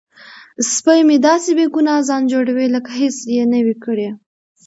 سپی مې داسې بې ګناه ځان جوړوي لکه هیڅ یې نه وي کړي.